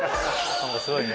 何かすごいね。